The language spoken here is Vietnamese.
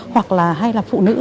hoặc là hay là phụ nữ